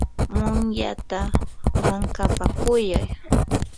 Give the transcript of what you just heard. numyata ankapakuyay.